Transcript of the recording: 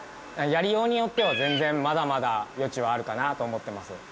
やりようによっては全然まだまだ余地はあるかなと思ってます。